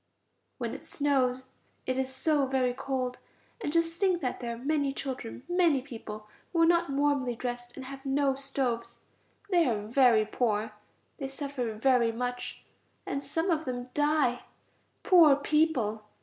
When it snows it is so very cold, and just think that there are many children, many people, who are not warmly dressed and have no stoves; they are very poor. They suffer very much, and some of them die; poor people!